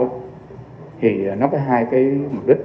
thì nó có hai cái mục đích